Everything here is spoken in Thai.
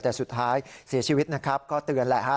แต่สุดท้ายเสียชีวิตนะครับก็เตือนแหละฮะ